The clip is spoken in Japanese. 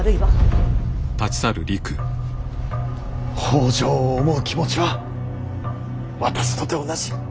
北条を思う気持ちは私とて同じ。